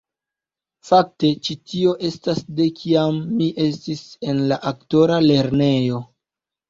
Fakte, ĉi tio estas de kiam mi estis en la aktora lernejo